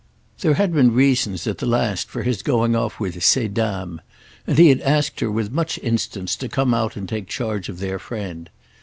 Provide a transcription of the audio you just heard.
There had been reasons at the last for his going off with ces dames; and he had asked her with much instance to come out and take charge of their friend.